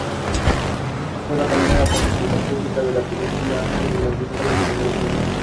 Esto ayudó a explicar el complejo patrón del fondo marino.